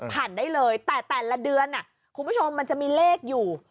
ได้เลยแต่แต่ละเดือนคุณผู้ชมมันจะมีเลขอยู่